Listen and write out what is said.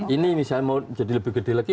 ini misalnya mau jadi lebih gede lagi